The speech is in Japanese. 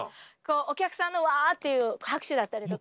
お客さんの「わ」っていう拍手だったりとか。